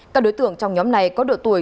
các đối tượng trong nhóm này có độ tuổi